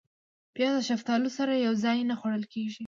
پیاز د شفتالو سره یو ځای نه خوړل کېږي